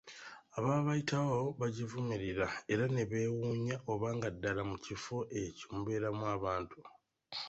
Ababa bayitawo bagivumirira, era ne bewuunya, oba nga ddala mu kifo ekyo mubeeramu abantu.